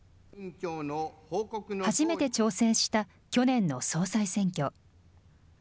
初めて挑戦した去年の総裁選挙。